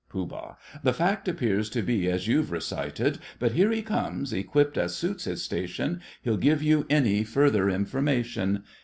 POOH. The fact appears to be as you've recited: But here he comes, equipped as suits his station; He'll give you any further information.